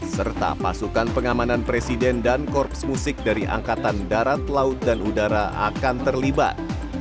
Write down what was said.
serta pasukan pengamanan presiden dan korps musik dari angkatan darat laut dan udara akan terlibat